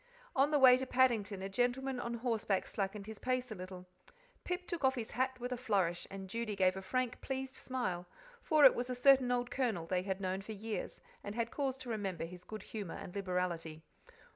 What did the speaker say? On the way to Paddington a gentleman on horseback slackened pace a little. Pip took off his hat with a flourish, and Judy gave a frank, pleased smile, for it was a certain old Colonel they had known for years, and had cause to remember his good humour and liberality.